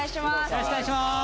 よろしくお願いします。